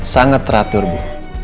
sangat teratur bu